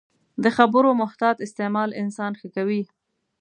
د خبرو محتاط استعمال انسان ښه کوي